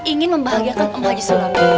ingin membahagiakan om haji sulam